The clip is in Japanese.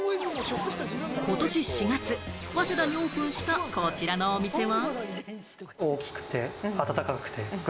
ことし４月、早稲田にオープンした、こちらのお店は。